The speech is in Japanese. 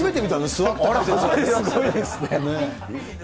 すごいですよね。